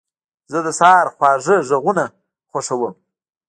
زه د سهار خوږ غږونه خوښوم.